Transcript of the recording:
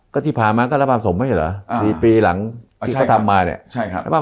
ก็ที่ผ่านมาก็รับประสมไหมเหรอ๔ปีหลังที่ก็ทำมาเนี่ย